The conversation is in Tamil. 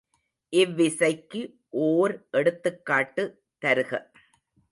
இவ்விசைக்கு ஓர் எடுத்துக்காட்டு தருக.